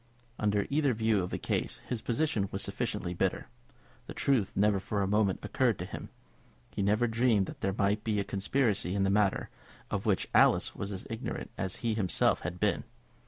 Under either view of the case his position was sufficiently bitter. The truth never for a moment occurred to him. He never dreamed that there might be a conspiracy in the matter, of which Alice was as ignorant as he himself had been.